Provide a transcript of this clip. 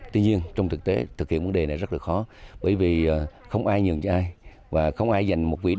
tuy nhiên trong thực tế thực hiện vấn đề này rất là khó bởi vì không ai nhường cho ai